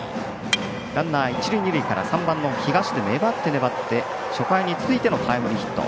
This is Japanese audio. ランナー、一塁二塁から３番、東出が粘って粘って初回に続いてのタイムリーヒット。